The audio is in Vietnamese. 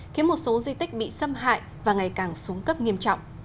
khiến một số di tích bị xâm hại và ngày càng xuống cấp nghiêm trọng